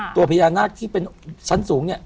ตัวพญานาคที่เป็นชั้นสูงเนี่ย